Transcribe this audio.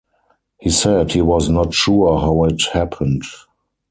He said he was not sure how it happened.